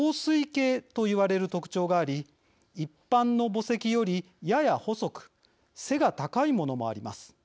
錐形といわれる特徴があり一般の墓石よりやや細く背が高いものもあります。